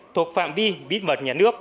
thuộc phạm vi bí mật nhà nước